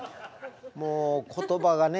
もう言葉がね